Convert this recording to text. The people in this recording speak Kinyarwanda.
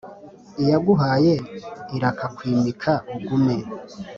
Iyaguhaye irakakwimika ugume.